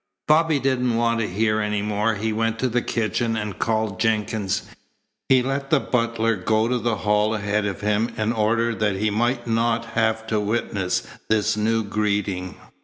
Bobby didn't want to hear any more. He went to the kitchen and called Jenkins. He let the butler go to the hall ahead of him in order that he might not have to witness this new greeting.